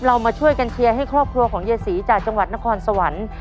เรามาช่วยกันเชียร์ให้ครอบครัวของยายศรีจากจังหวัดนครสวรรค์